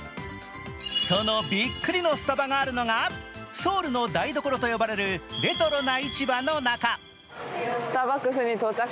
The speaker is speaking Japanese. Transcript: そのビックリのスタバがあるのがソウルの台所と呼ばれるレトロな市場の中。